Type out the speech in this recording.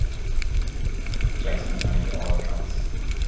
Jackson denied all counts.